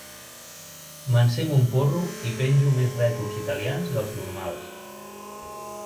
M'encenc un porro i penjo més rètols italians dels normals.